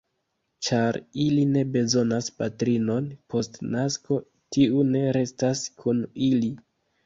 Ĉar ili ne bezonas patrinon post nasko, tiu ne restas kun ili.